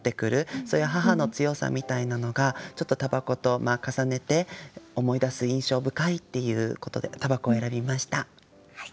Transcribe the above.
そういう母の強さみたいなのがちょっと煙草と重ねて思い出す印象深いっていうことで「煙草」を選びました。